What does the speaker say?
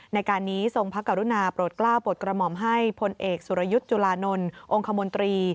ในการนี้ทรงพระกรุณาโปรดกล้าวโปรดกระหม่อมให้พลเอกสุรยุทธ์จุลานนท์องค์คมนตรี